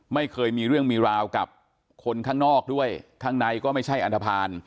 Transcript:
ไม่เคยมีเรื่องมีราวกับคนข้างนอกด้วยข้างในก็ไม่ใช่อันทภาณ